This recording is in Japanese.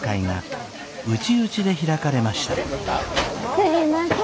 すみません。